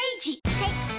はい。